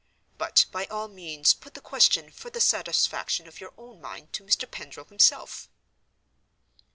But, by all means, put the question, for the satisfaction of your own mind, to Mr. Pendril himself."